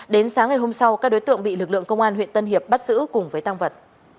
đến sáng ngày hôm sau các đối tượng bị lực lượng công an huyện tân hiệp bắt giữ cùng với tăng vật